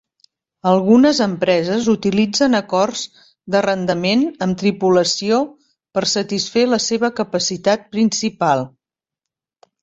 Algunes empreses utilitzen acords d'arrendament amb tripulació per satisfer la seva capacitat principal.